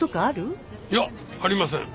いやありません。